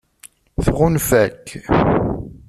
Tɣunfa-k?